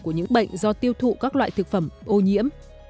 của những bệnh do tiêu thụ các loại thực phẩm ô nhiễm